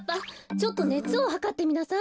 ちょっとねつをはかってみなさい。